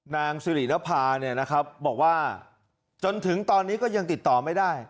นางสิรินภาบอกว่าจนถึงตอนนี้ก็ยังติดต่อไม่ได้